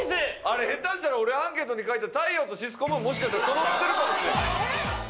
あれ下手したら俺アンケートに書いた太陽とシスコムーンもしかしたらそろってるかもしれん。